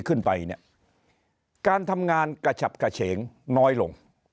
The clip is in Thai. ขึ้นไปเนี่ยการทำงานกระฉับกระเฉงน้อยลง